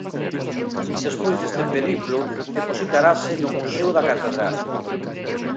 Despois deste periplo, depositarase no Museo da Catedral.